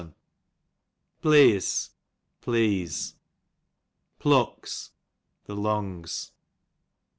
Pleeos, please. Plucks, the lungs.